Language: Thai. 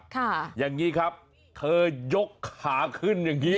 อย่างนี้ครับเธอยกขาขึ้นอย่างงี้